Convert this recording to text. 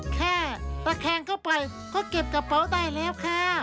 แค่ตะแคงเข้าไปก็เก็บกระเป๋าได้แล้วค่ะ